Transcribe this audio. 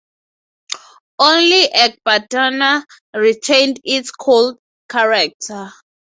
Only Ecbatana retained its old character.